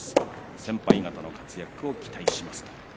先輩方の活躍を期待します。